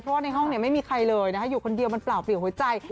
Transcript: เพราะว่าในห้องไม่มีใครเลยนะคะอยู่คนเดียวมันเปล่าเปลี่ยนหัวใจ